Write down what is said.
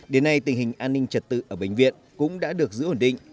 đến nay tình hình an ninh trật tự ở bệnh viện cũng đã được giữ ổn định